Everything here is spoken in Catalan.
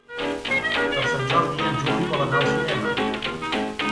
Per Sant Jordi en Juli vol anar al cinema.